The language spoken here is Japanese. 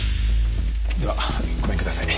ではごめんください。